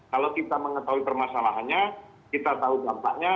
kalau kita mengetahui permasalahannya kita tahu dampaknya